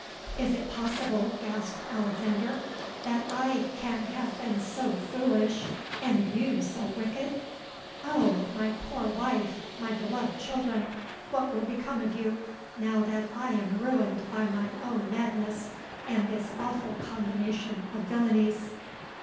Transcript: '—'Is it possible,' gasped Alexander, 'that I can have been so foolish and you so wicked? Oh! my poor wife—my beloved children, what will become of you, now that I am ruined by my own madness and this awful combination of villainies!'